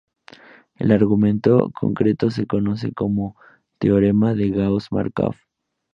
El argumento concreto se conoce como teorema de Gauss-Márkov.